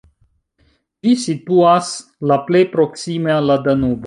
Ĝi situas la plej proksime al la Danubo.